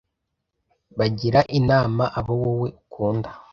bagira inama abo wowe ukunda